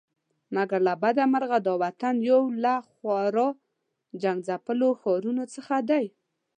مګر له بده مرغه دا وطن یو له خورا جنګ ځپلو ښارونو څخه دی.